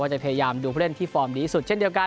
ว่าจะพยายามดูภูมิที่ฟอร์มดีที่สุดเช่นเดียวกัน